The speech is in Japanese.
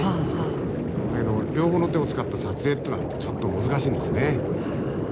だけど両方の手を使った撮影ってのはちょっと難しいんですね。